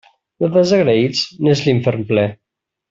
De desagraïts, n'és l'infern ple.